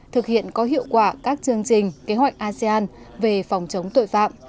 thực hiện có hiệu quả các chương trình kế hoạch asean về phòng chống tội phạm